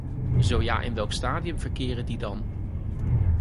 Zo ja, in welk stadium verkeren die dan?